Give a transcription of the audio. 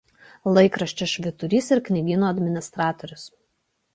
Laikraščio „Švyturys“ ir knygyno administratorius.